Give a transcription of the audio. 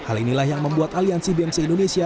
hal inilah yang membuat aliansi bem se indonesia